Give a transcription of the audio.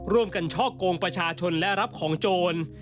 ร่วมกันช่อกโกงประชาชนและรับของโจร